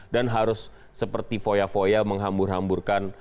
dan harus seperti foya foya menghambur hamburkan